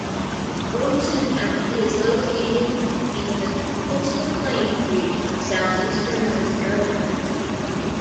Robeson County is located in the Coastal Plains region of southeastern North Carolina.